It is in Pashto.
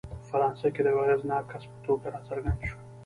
په فرانسه کې د یوه اغېزناک کس په توګه راڅرګند شو.